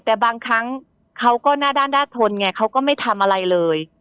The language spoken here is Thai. แต่บางครั้งเขาก็หน้าด้านหน้าทนไงเขาก็ไม่ทำอะไรเลย